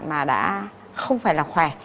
mà đã không phải là khỏe